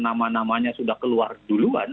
nama namanya sudah keluar duluan